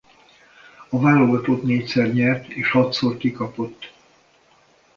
A válogatott négyszer nyert és hatszor kikapott.